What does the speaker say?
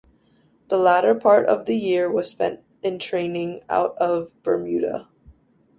The latter part of the year was spent in training out of Bermuda.